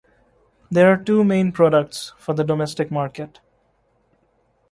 There are two main products for the domestic market.